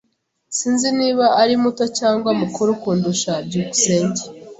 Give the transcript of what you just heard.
Sinzi niba ari muto cyangwa mukuru kundusha. byukusenge